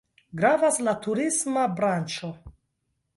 Gravas la turisma branĉo.